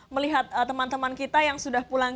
melihat teman teman kita yang sudah pulang